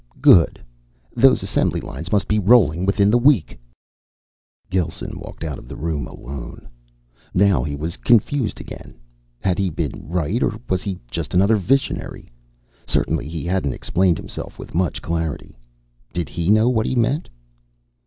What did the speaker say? "Good. Those assembly lines must be rolling within the week." Gelsen walked out of the room alone. Now he was confused again. Had he been right or was he just another visionary? Certainly, he hadn't explained himself with much clarity. Did he know what he meant?